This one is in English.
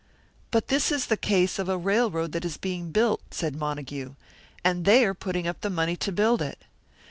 "But this is the case of a railroad that is being built," said Montague; "and they are putting up the money to build it."